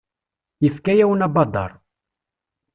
Yefka-yawen abadaṛ.